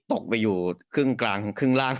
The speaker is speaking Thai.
ตกไปอยู่ครึ่งกลางครึ่งล่าง